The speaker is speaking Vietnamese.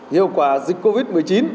hiệu quả dịch covid một mươi chín